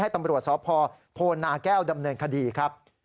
ตำรวจสพโพนาแก้วดำเนินคดีครับ